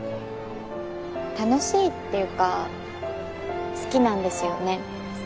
楽しいっていうか好きなんですよね。